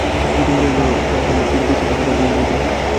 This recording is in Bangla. পটু বলিল, বা রে, তা কেন, টিপ বেশি থাকাটা দোষ বুঝি?